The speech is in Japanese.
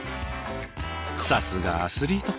さすがアスリート。